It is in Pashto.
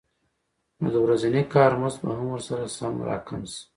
نو د ورځني کار مزد به هم ورسره سم راکم شي